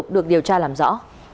được điều tra làm rõ